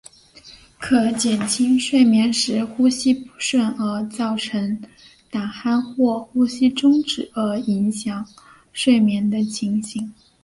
可减轻睡眠时呼吸不顺而造成打鼾或呼吸中止而影响睡眠的情形。